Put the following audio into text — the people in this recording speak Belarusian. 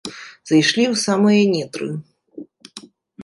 Зайшлі ў самыя нетры.